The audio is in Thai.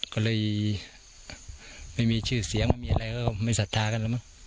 ก็เลยไม่มีชื่อเสียงไม่มีอะไรก็ไม่ศรัทธากันแล้วมั้ง